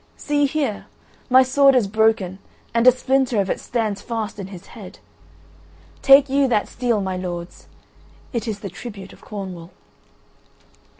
See here, my sword is broken and a splinter of it stands fast in his head. Take you that steel, my lords; it is the tribute of Cornwall."